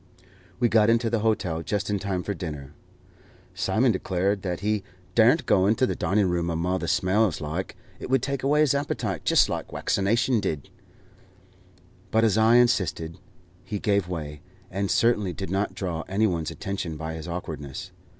We got into the hotel just in time for dinner. Simon declared that he "dar'n't go into the dining room amo' the swells like; it would take away his appetite jist like waccination did;" but as I insisted, he gave way, and certainly did not draw any one's attention by his awkwardness.